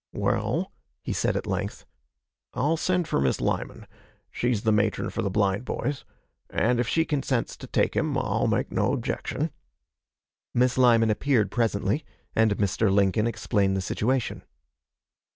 'Well,' he said at length, 'I'll send for Miss Lyman, she's the matron for the blind boys, and if she consents to take him, I'll make no objection.' Miss Lyman appeared presently, and Mr. Lincoln explained the situation.